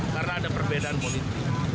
karena ada perbedaan politik